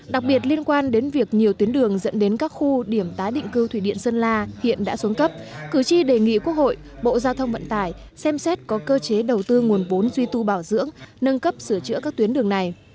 đặc biệt liên quan đến việc nhiều tuyến đường dẫn đến các khu điểm tái định cư thủy điện sơn la hiện đã xuống cấp cử tri đề nghị quốc hội bộ giao thông vận tải xem xét có cơ chế đầu tư nguồn vốn duy tu bảo dưỡng nâng cấp sửa chữa các tuyến đường này